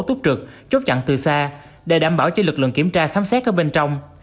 túc trực chốt chặn từ xa để đảm bảo cho lực lượng kiểm tra khám xét ở bên trong